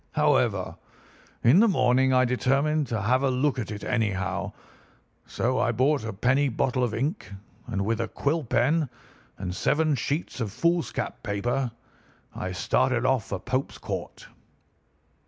However, in the morning I determined to have a look at it anyhow, so I bought a penny bottle of ink, and with a quill pen, and seven sheets of foolscap paper, I started off for Pope's Court.